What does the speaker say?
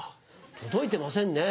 届いてませんね。